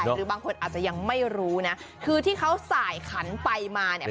หรือบางคนอาจจะยังไม่รู้นะคือที่เขาสายขันไปมาเนี่ย